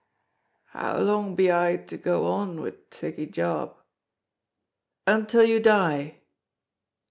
"How long be I to go on wi' thiccy job?" "Until you die!"